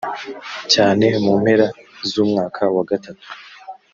cyane Mu mpera z umwaka wa gatatu